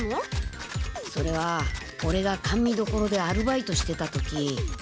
それはオレが甘味どころでアルバイトしてた時。